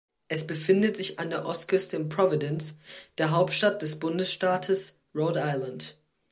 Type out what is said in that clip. Es befindet sich an der Ostküste in Providence, der Hauptstadt des Bundesstaats Rhode Island.